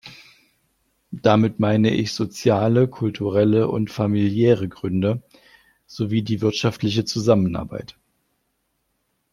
Damit meine ich soziale, kulturelle und familiäre Gründe sowie die wirtschaftliche Zusammenarbeit.